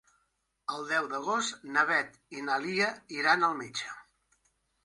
El deu d'agost na Beth i na Lia iran al metge.